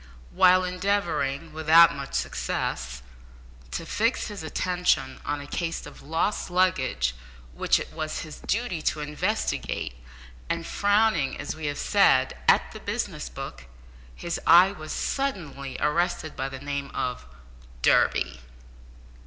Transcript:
While endeavouring, without much success, to fix his attention on a case of lost luggage which it was his duty to investigate, and frowning as we have said, at the business book, his eye was suddenly arrested by the name of "Durby."